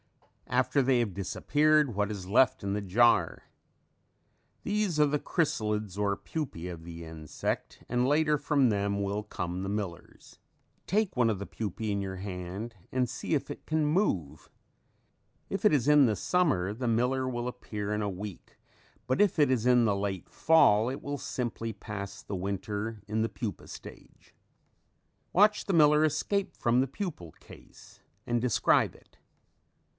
After they have disappeared, what is left in the jar? These are the chrysalids or pupae of the insect and later from them will come the millers. Take one of the pupae in your hand and see if it can move. If it is in the summer the miller will appear in a week, but if it is in the late fall it will simply pass the winter in the pupa stage. Watch the miller escape from the pupal case and describe it.